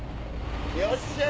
よっしゃい！